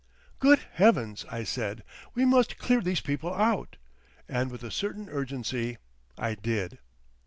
"Good Heavens!" I said, "we must clear these people out," and with a certain urgency I did.